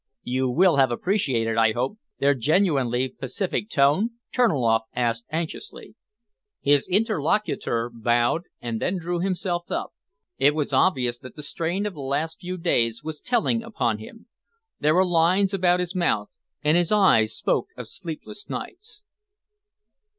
"You will have appreciated, I hope, their genuinely pacific tone?" Terniloff asked anxiously. His interlocutor bowed and then drew himself up. It was obvious that the strain of the last few days was telling upon him. There were lines about his mouth, and his eyes spoke of sleepless nights.